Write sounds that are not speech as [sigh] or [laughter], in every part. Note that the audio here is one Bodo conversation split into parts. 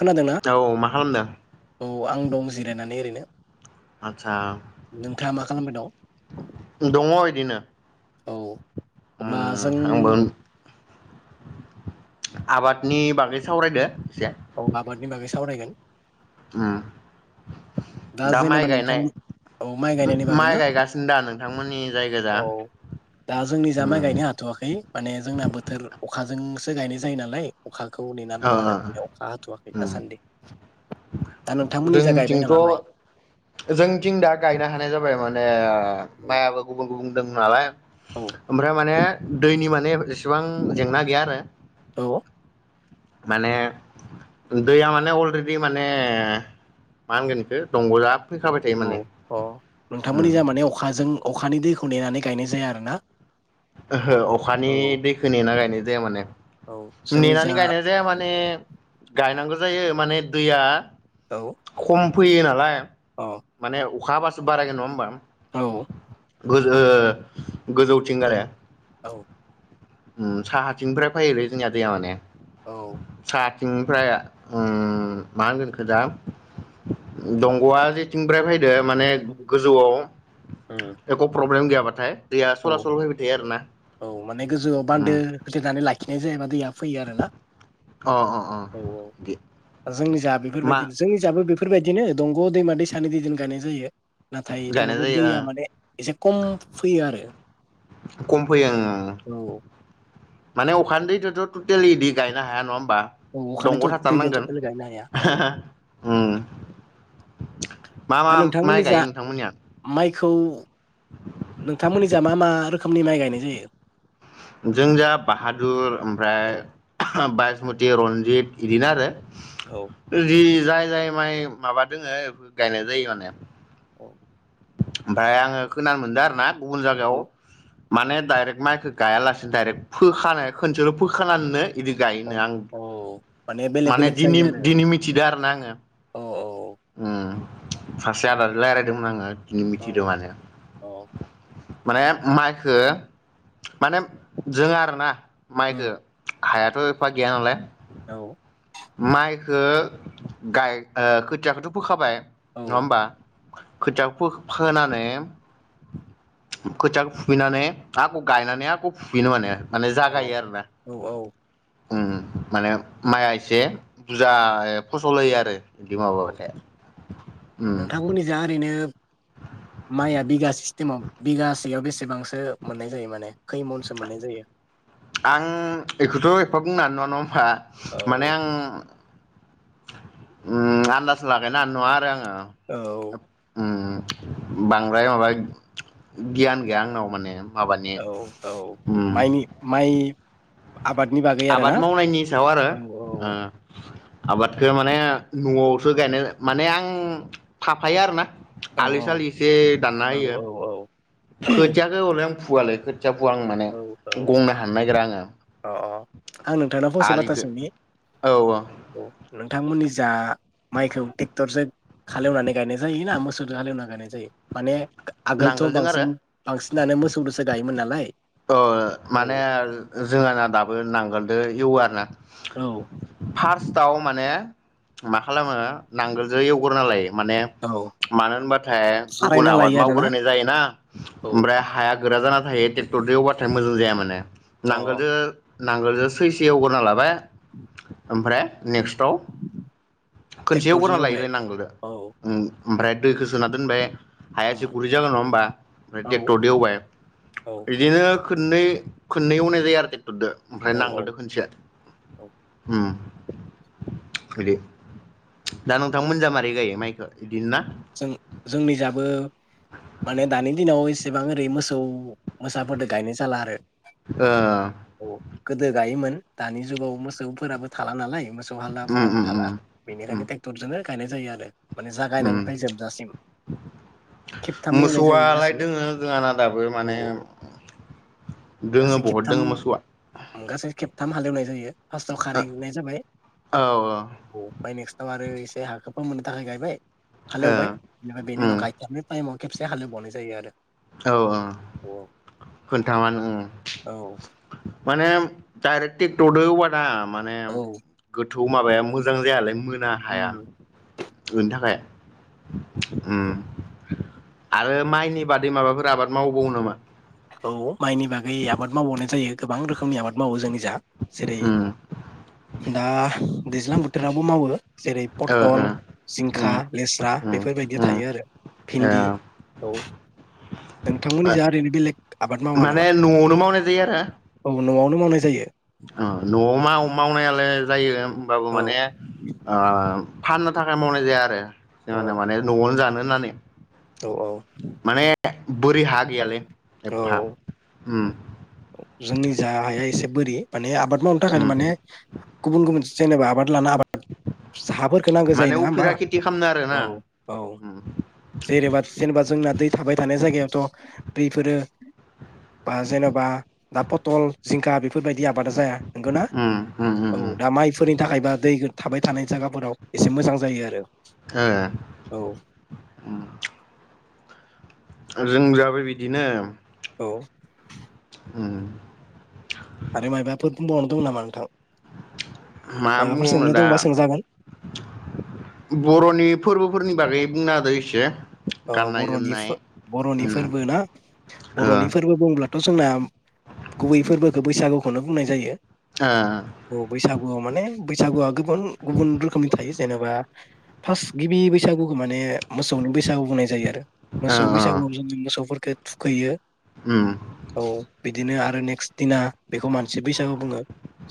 खोनादोंना औ मा खालामदों औ आं दं जिरायनानै ओरैनो आतसा नोंथाङा मा खालामबाय दं दङ इदिनो औ अब्ला उम जों आंबो आबादनि बागै सावरायदो । औ आबादनि बागै सावरायगोन । उम दा माइ जेनेबा गायनाय नोंथांमोन, औ माइ गायनायनि बागै माइ ना? गायगासिनो दा नोंथांमोननि जायगोजा औ, दा जोंनिजा माइ उम गायनो हाथ'वाखै । माने जोंना बोथोर अखाजोंसो गायनाय जायो नालाय अखा खौ नेना ओ दं आरो ओ बेयाव अखा हथवाखै उम दासान्दि । दा नोंथांमोननिजा गायबाय नामा माइ? जोंनिथिं दा गायनो हानाय जाबाय माने ओ, औ माइआबो गुबुं गुबुं दों नालाय औ । ओमफ्राय माने दैनि माने एसेबां जेंना गैया आरो । माने, दैया माने अलरेडि माने मा होनगोन इखो दंगजा औ, अ नोंथांमोननिजा माने अखाजों अखानि दैखौ नेनानै गायनाय जाया आरोना? ओहो अखानि औ दैखो नेना गायनाय जाया माने औ । जोंनि जा नेनानै गायनाय औ जाया माने गायनांगो जायो माने दैया औ फोयो नालाय माने अखा हाबासो बारायगोन नङा ओमबा? औ गोजौथिं आरो । औ उम, साहाथिंनिफ्राय फायोलै जोंनिया दैया माने । औ थिंनिफ्राय उम मा होनगोन इखो दा, दंग'आ जेथिं फ्राय फाय दो माने औ गोजौआव उम एक' प्रब्लेम गैया । बाथाय [unintelligible] दैया औ सरासल फैबाय थायो आरो ना। औ माने गोजौआव बान्दो होथेनानै लाखि [unintelligible] जायोबा दैया फैयो आरो ना अ अ औ अ औ जोंनि जा मा बेफोरबायदि जोंनि जाबो बेफोर बेफोरबायदिनो दंग' दैमा दैसानि दैजों गायनाय जायो। नाथाय गायनाय थेवबाबो जायो दैया ओ माने एसे खम फैयो आरो। खम फैयो ओ। औ माने अखानि दैदोन्थ' टटेलि बिदि गायनो हाया नङा होमबा? औ बा अखानिथ' दंग दैजों थाथारनांगोन टटेल गायनो हाया औ ओहोहो उम मा दा मा माइ नोंथांमोननि जा गायो नोंथांमोननिया? माइखौ नोंथांमोननि खिजा मा मा रोखोमनि माइ गायनाय जायो? जों जा बाहादुर औ ओमफ्राय बास मुति, रनजित बिदिनो औ आरो। जि जाय जाय माइ माबा दोङो गायनाय जायो माने। औ। ओमफाय आङो खोनानो मोनदों आरो ना गुल जागायाव माने दाइरेक्ट माइखौ गायालासेनो दाइरेक्ट फोखानाय खोनसेल' फोखानानैनो इदि औ गायोनो आं औ बेलेग माने बेलेग दिनि जायो आरो दिनि मिथिदो आरो ना आङो। औ उम। सासे आदादो रायलायदोमोन आङो ओम औ मिथिदों माने। औ माने माइखो माने जों आरोना माइखो उम हायाथ' एफा गैया नालाय औ। माइखो गाय ओ खोथियाखौथ' फोखाबाय नङा औ होमबा? खोथियाखौ फो-फोनानै खोथियाखौ फुुफिननानै आख' गायनानै आख' फुुफिनो माने। माने जागायो आरो ना। औ औ उम माने माइया एसे एसे बुजा फसल होयो आरो। बिदि औ माबाबाथाय उम नोंथांमोननिजा ओरैनो मायआ बिगा सिस्टेमाव बिगासेयाव बेसेबांसो मोननाय जायो माने खैमनसो मोननाय जायो? आं एखोथ' एफा बुंनो हानाय नङा नङा औ होमबा माने आं उम आन्दाज लागायनो हानाय नङा आरो आं औ ओह उम। बांद्राय माबा गियान गैया आंनाव माने माबानि औ औ उम मायनि माय आबाद मावनायनि सायाव आरो औ ओ आबादखौ माने न'आवसो गायनाय माने आं थाफायो आरोना औ आलि सालि एसे दानना औ होयो औ औ खोथियाखौ हले आं फुवालै खोथ थिया फुआ आं माने औ औ गंनो हानो नागिरा आङो अ आं नोंथांनाव फंसे बाथ्रा आलिखौ सोंनि औ नोंथांमोननि जा मायखौ टेक्टरजो हालेवनानै गायनाय जायो ना मोसौदो हालेवनानै गायनाय जायो माने आगोलथ' नांगोलजों आरो बांसिन बांसिनानो मोसौ दोसो गायोमोन नालाय [unintelligible] औ औ माने जोंहाना दाबो नांगोलदो एवो आरो ना औ फार्स्टआव माने मा खालामो नांगोलजों एवग्रोना लायो माने औ मानो होनबाथाय गुबुन खारायना आबाद लायो आरोना मावग्रोनाय जायोना औ ओमफ्राय हाया गोरा जाना थायो टे क्टरदो एवबाथाय मोजां जाया माने अ नांगोलजो नांगोलजो सैसे एवग्रोना लाबाय ओमफ्राय नेक्स्टआव खोनसे ट्रेक्टरजों एवग्रोना एवबाय लायोलोय नांगोलदो औ ओमफ्राय दैखो सोना दोनबाय हाया एसे उम गुरै जागोन नङा होमबा ओमफ्राय औ टेक्टरदो एवबाय औ बेयो खोननै खोननै एवनाय जायो आरो टेक्टरदो ओमफ्राय औ नांगोलदो औ खोनसे औ उम बिदि दा नोंथां मोननिजा मारै गायो माइखो गदिनो ना? जों जोंनि जाबो माने दानि दिनाव एसेबां ओरै मोसौ मोसाफोरदो गायनाय जाला आरो ओ औ गोदो गायोमोन दानि जुगाव मोसौफोराबो थाला नालाय मोसौ उम हालाफोराबो उम थाला उम उम बेनिखायनो टेक्टरजोनो गायनाय जायो आरो माने जागायनायनि उम खेबथाम एवनाय जायो मोसौआलाय गासै दोङो जोंहाना दाबो औ माने दोङो गासै बुहुद दोङो मोसौआ थाम हालेवनाय जायो फार्स्टआव खारैगोरनाय जाबाय औ औ ओ ओमफ्राय नेक्स्टाव आरो एसे हाखौ फोमोननो थाखाय गायबाय । हालेवबाय बेनिफ्राय बेनि उम उनाव गायथारनाय टाइमाव खेबसे हालेवबावनाय जायो आरो औ ओ औ खोन्थामोन उम औ [unintelligible] माने गोथ थौ माबायाम ना हाया। उम बेनि थाखाय उम आरो माइनि बादै माबाफोर आबाद मावबावो नामा? औ माइनि बागै आबाद मावबावनाय जायो गोबां रोखोम खुननि आबाद मावो जोंनि जा जेरै उम दा दैज्लां बोथोराबो मावो जेरै ओ ओ पथल उम जिंखा लेस्रा उम बेफोरबायदि उम थायो आरो भिन्दि औ नोंथांमोननि ओ जा आरो बेलेग आबाद मावा नामा माने नआवनो मावनाय जायो आरो औ नआवनो मावनाय जायो । ओ नआव माव मावनायालाय जायो । होनबाबो औ माने ओ फाननो थाखाय मावनाय जाया आरो । जोंहाना माने नआवनो जानो होन्नानै । औ-औ । बोरि हा गैयालै एफ्फा । उम । जोंनि जाहाया एसे बोरि माने आबाद मावनो थाखाय उम माने गुबुन- गुबुन जेनबा आबाद लाना आबाद हाफोरखौ नांगौ जायो माने नङा होमबा? उफेरा खेथि खालामनो आरोना औ -औ जेनेबा -जेनेबा जोंना दै थाबाय थानाय जायगायाव बेफोरो बा जेनबा दा पथल जिंखा बेफोरबायदि दि आबादा जाया नंगौ उम उम उम उम औ उम दा माइफोरनि थाखायबा दै थाबाय थानाय जायगाफोराव एसे मोजां जायो आरो ओ । औ जों जाबाय बिदिनो। औ। ओम। आरो माइबाफोरबावदोंं नामा नोंथां। मा माबाफोर बुंबावनो सोंनो दा दंबा सोंजागोन बर'नि फोरबोफोरनि बागै। बुंना होदो इसे। ओ बर'नि बर'नि फोरबो ना ओ बर'नि फोरबो बुंब्ला थ जोंना गुबै फोरबोखौ बैसागुखौनो बुंनाय जायो। औ बैसागुआव माने बैसागु आ गोबां गुबुन रोखोमनि थायो। जेनेबा फार्स्ट गिबि बैसागुखौ माने मोसौनि बैसागु। बुंनाय जयो आरो ओ मोसौ ओ बैसागुआव जों मोसौफोरखौ। थुखैयो। उम। औ बिदिनो आरो नेक्स्ट दिना बेखौ मानसि बैसागु बुङो।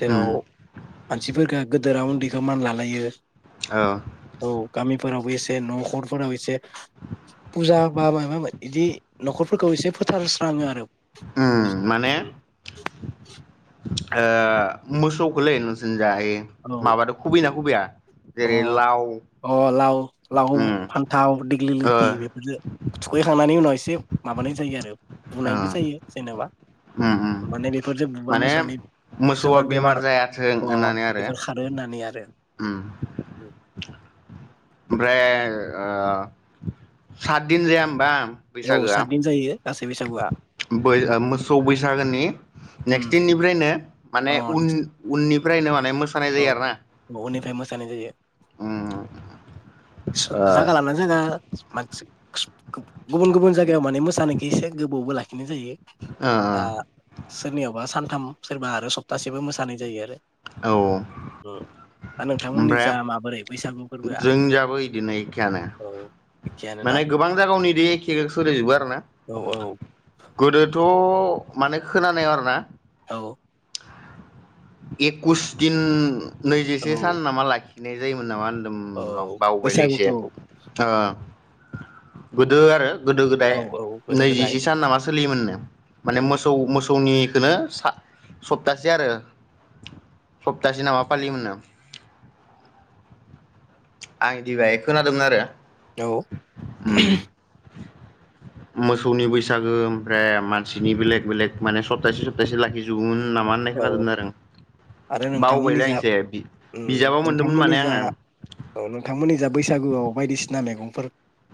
जेराव उम मानसिफोरखौ गोदोरा उन्दैखौ मान लालायो औ औ गामि। आवबो एसे न'खरफोराव फुजा बा माबा बिदि न'खरफोरखौ एसे फोथारस्राङो आरो। उम माने ओ मोसौखौलै नोंसोरनि। औ अ जेरै लाव अ ल लाव उम फान्थाव दिग्लि ओ लथि बेफोरजों थुखैखांनायनि उनाव एसे। माबानाय जायो आरो ओ बुनायबो जायो जेनेबा उम उम माने बेफोरजों बुबा माने मोसौनि मोसौआ खिसुमान बेमार जायाथों अ। होननानै आरो बेफोर खारोन। होननानै आरो। उम। ओमफ्राय ओ सातदिन जाया होमबा। औ बैसागोआ सातदिन जायो गासै बैसागुआ मोसौ बैसागोनि। उम नेक्स दिननिफ्रायनो माने अ उन उननिफ्रायनो माने मोसानाय औ जायो आरो ना। न'निफ्राय मोसानाय जायो। सोब ओ जागा लानानै जागा मानसि गुबुन- गुबुन जायगायाव माने मोसानायखो एसे गोबावबो लाखि बिदिनो जायो ओ सोरनियावबा सान [unintelligible] सोरबा आरो सप्तासेबो मोसानाय जायो आरो। औ दा नोंथांमोननि ओमफ्राय जा माबोरै बैसागु फोरबोआ जों जाबो इदिनो एखेआनो औ एखेयानो माने ना गोबां जागायावनो इदि एखे सोलियजोबो आरोना औ गोदोथ माने खोनानायाव आरो ना। औ एखुस दिन नैजिसे सान औ नामा लाखि नाय जाय मोन नामा उम औ लं बावबायलै इसे बैसागुखौ ओ गोदो आरो गोदो गोदाय औ गोदो गोदाय नैजिसे सान नामा सोलियोमोननो माने उम मोसौ मोसौनि बिदिनो सा सप्तासे आरो सप्तासे नामा फालियो मोननो। आं इदि बाय खोनादोंमोन आरो। औ उम मोसौनि बैसागो ओमफ्राय मानसिनि बेलेग बेलेग माने सप्तासे सप्तासे लाखिजोबोमोन नामा होननाय औ खोनादोंमोन आरो आं आरो नोंथांमोननि बावबायलै आं जा एसे उम बिजाबाव मोनदोंमोन माने नोंथांमोननि जा आङो औ नोंथांमोननि जा बैसागुआव बायदिसिना मेगं फोर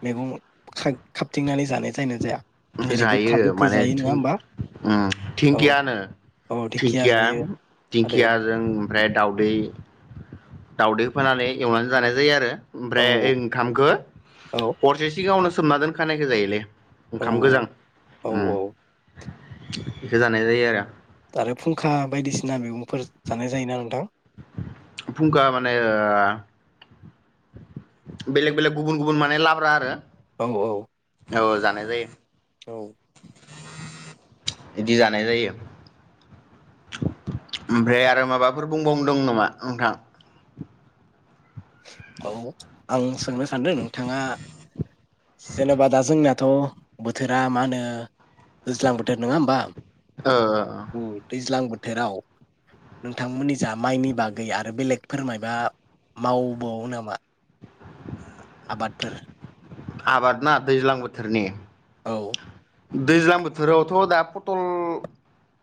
मेगं खाबथिंनानै जानाय जायोना जाया? जेरै गोखा जायो गोखै माने जायो नङा धिं होमबा उम औ धिंखिया होनो। औ दिंखिया खिया जायो आरो दिंखिया जों ओमफ्राय दाउदै। [unintelligible] दाउदै फोननानै एवनानै जानाय जायो आरो। औ ओमफ्राय ओंखामखौ औ हरसे सिगाङावनो सोमना दोनखानायखो जायोलै। औ ओंखाम गोजां औ उम। औ बिखौ जानाय जायो आरो। आरो फुंखा बायदिसिना मैगंफोर जानाय जायोना नोंथां? फुंखा माने ओ बेलेग बेलेग गुबुन गुबुन माने लाब्रा आरो। औ औ औ जानाय जायो। औ इदि जानाय जायो । ओमफ्राय आरो माबाफोर बुंबावनो दं नामा नोंथां । औ आं सोंनो सानदों नोंथाङा जेनेबा दा जोंनाथ बोथोरा मा होनो दैज्लां बोथोर नङा होनबा ओ औ दैज्लां बोथ बोथोराव नोंथांमोननि जा माइनि बागै आरो बेलेग फोरमायबा मावबावो नामा? आबादफोर आबाद ना दैज्लां बोथोरनि औ दैज्लां बोथोराव थ दा पटल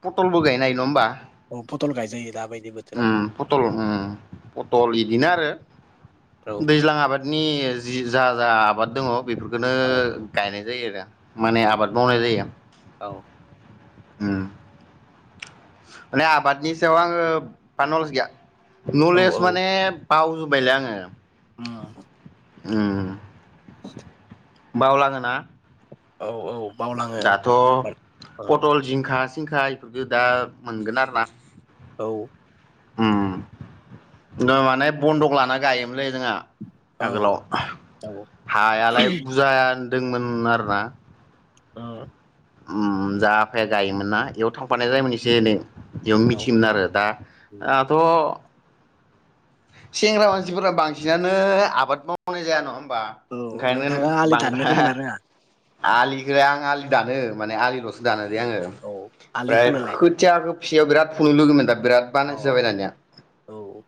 पटलबो गायनो हायो नङा होमबा। औ पथल गायजायो दा बाय उम पटल उम पटल इदिनो आरो औ दैज्लां आबादनि जि जा जा आबाद दङ । बेफोरखौनो औ गायनाय जायो आरो। माने औ आबाद मावनाय जायो । औ उम माने आबादनि सायाव आङो बानल्से गैया । औ नलेज औ माने बावजोबायलै आङो उम उम बावलाङोना औ औ बावलाङो दाथ' [unintelligible] उम पटल जिंखा सिंखा इफोरखो दा मोनगोन आरो ना। औ उम माने बन्दक लाना गायोमोन। जोंहा औ आगोलाव औ हायालाय बुजान दोंमोन आरो ना ओ उम जा आफाया गायोमोन ना एयाव थांफानाय जायोमोन एसे एनै। जों औ मिथियोमोन आरो उम दा-दाथ'। सेंग्रा मानसिफोरा बांसिनानो आबाद मावनाय जाया नङा मोन बा औ ओंखायनोन नोंथाङा आलि दाननो बांद्रा रोंगोन ना रोङा आलिखो आं आलि दानो माने आलिलसो दानो आङो औ आलि फ्राय खोनोलाय खोथियाखो [unintelligible] ग्राफ फुंनो लोगोमोनदों बिराद औ बानायसो जाबाय दानिया औ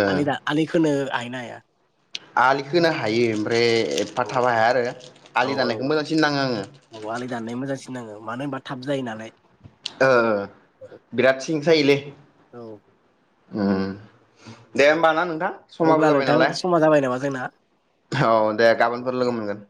ओ आलि दा आलिखोनो हायनो हाया? आलि होनो हायो ओमफ्राय ओमफ्राय एफा औ थाबा हाया आरो औ आलि दानायखौ औ मोजांसिन नाङो आङो। औ आलि दाननाया मोजांसिन नाङो मानो होनबा थाब जायो नालाय ओ बिराट सिं सायोलै औ उम दे होमब ना नों ना समाबो अब्ला जाबाय नोंथां नालाय समा जाबाय नामा जोंना? औ दे गाबोनफोर लोगो मोनगोन ।